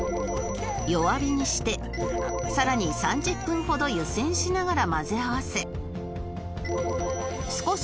さらに３０分ほど湯煎しながら混ぜ合わせ